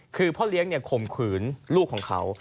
คือพ่อเลี้ยงข่มขืนลูกของเขา